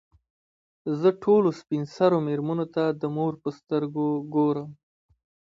زه ټولو سپین سرو مېرمنو ته د مور په سترګو ګورم.